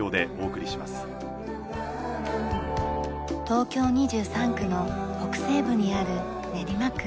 東京２３区の北西部にある練馬区。